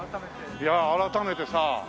いや改めてさ